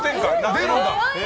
出るんだ。